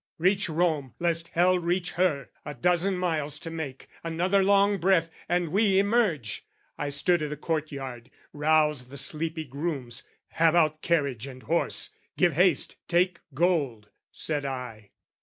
"Reach Rome, "Lest hell reach her! A dozen miles to make, "Another long breath, and we emerge!" I stood I' the court yard, roused the sleepy grooms. "Have out "Carriage and horse, give haste, take gold!" said I.